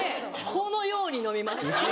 このように飲みます。